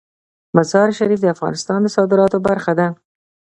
مزارشریف د افغانستان د صادراتو برخه ده.